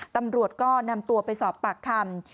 ตำรวจก็นำตัวไปสอบปากคำ